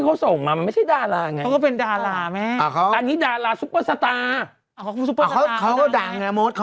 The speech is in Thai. ใครวะไม่ออก